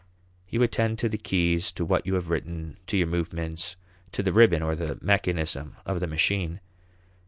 You attend to the keys, to what you have written, to your movements, to the ribbon or the mechanism of the machine.